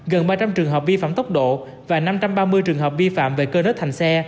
gần ba trăm linh trường hợp vi phạm tốc độ và năm trăm ba mươi trường hợp vi phạm về cơ nớt thành xe